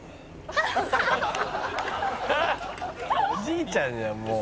「おじいちゃんじゃんもう」